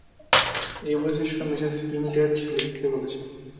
এই পরিশিষ্টটা Mrs Crementz লিখতে বলেছেন।